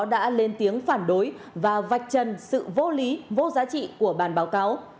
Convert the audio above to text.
đã lên tiếng phản đối và vạch trần sự vô lý vô giá trị của bàn báo cáo